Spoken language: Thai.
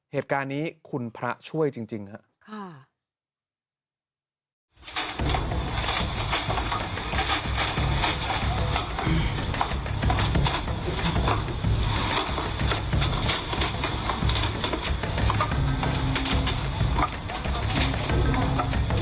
เหตุการณ์นี้คุณพระช่วยจริงจริงฮะค่ะ